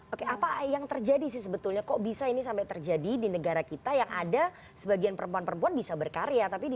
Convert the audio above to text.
oke apa yang terjadi sih sebetulnya kok bisa ini sampai terjadi di negara kita yang ada sebagian perempuan perempuan bisa menjadikan kekerasan seksual di tempat kerja dan lain lain